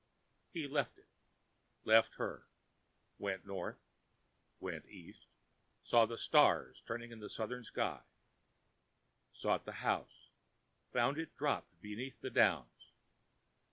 He left it, left her, went North, went East, saw the stars turned in the Southern sky; sought the house, found it dropped beneath the Downs.